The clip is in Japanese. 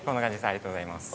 ありがとうございます。